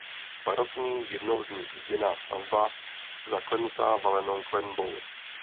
Barokní jednolodní zděná stavba zaklenutá valenou klenbou.